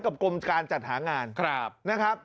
กรมการจัดหางานนะครับ